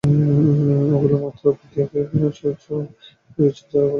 এগুলোর মাথার উপরে খিলান ছাদ রয়েছে, যার উপরের অংশ অবশ্য সমান্তরাল।